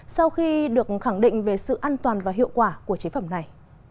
sau khi được khẳng định về sự an toàn và hiệu quả của chế phẩm này